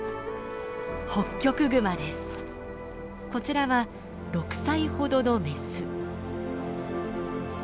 こちらは６歳ほどのメス。